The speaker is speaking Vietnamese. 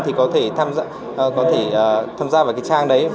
thì có thể tham gia vào cái trang đấy